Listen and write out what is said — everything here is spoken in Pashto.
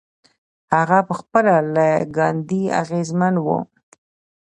هغه پخپله له ګاندي اغېزمن و.